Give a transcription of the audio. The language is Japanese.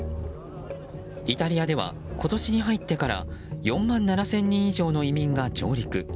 イタリアでは今年に入ってから４万７０００人以上の移民が上陸。